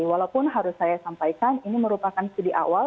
walaupun harus saya sampaikan ini merupakan studi awal